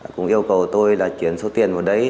cũng yêu cầu tôi là chuyển số tiền vào đấy